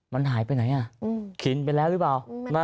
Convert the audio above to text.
มันหายไปไหนกินไปแล้วหรือเปล่า